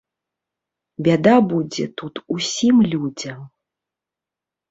Бяда будзе тут усім людзям.